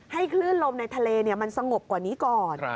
คลื่นลมในทะเลมันสงบกว่านี้ก่อน